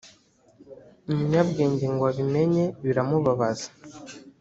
umunyabwenge ngo abimenye biramubabaza